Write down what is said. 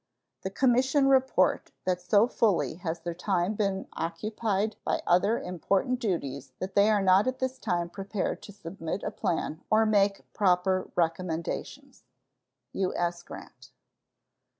The commission report that so fully has their time been occupied by other important duties that they are not at this time prepared to submit a plan or make proper recommendations. U.S. GRANT.